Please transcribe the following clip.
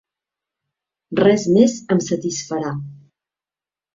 Res més em satisfarà.